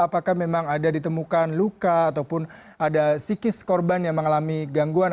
apakah memang ada ditemukan luka ataupun ada psikis korban yang mengalami gangguan